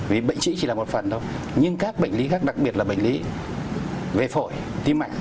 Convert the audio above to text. vì bệnh chỉ là một phần thôi nhưng các bệnh lý khác đặc biệt là bệnh lý về phổi tim mạch